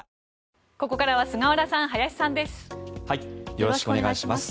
よろしくお願いします。